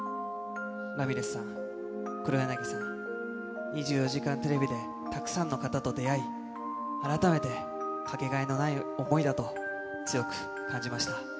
ラミレスさん、黒柳さん、２４時間テレビで、たくさんの方と出会い、改めて掛けがえのない想いだと、強く感じました。